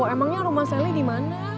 emangnya rumah sally dimana